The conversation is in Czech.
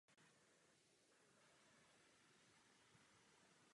Rumunsko reprezentovala v prvním a druhém desetiletí jednadvacátého století.